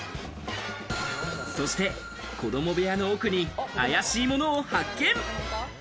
そして、子ども部屋の奥に怪しいものを発見。